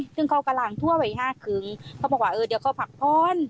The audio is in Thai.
ซึ่งเขากำลังทั่วไว้๕๓๐นเขาบอกว่าเดี๋ยวเขาผักพร้อน